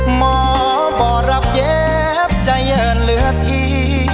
หมอบ่ารับเย็บใจเยินเลือดที่